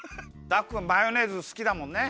ダクくんマヨネーズすきだもんね？